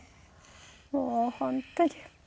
もう本当に。